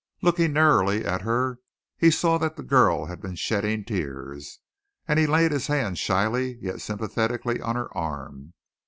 Looking narrowly at her, he saw that the girl had been shedding tears, and he laid his hand shyly yet sympathetically on her arm.